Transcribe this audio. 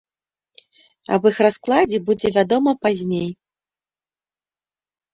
Аб іх раскладзе будзе вядома пазней.